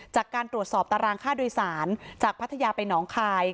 จากการตรวจสอบตารางค่าโดยสารจากพัทยาไปหนองคาย